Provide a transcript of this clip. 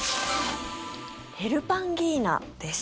ヘルパンギーナです。